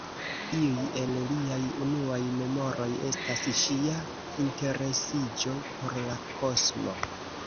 Iuj el liaj unuaj memoroj estas ŝia interesiĝo por la kosmo.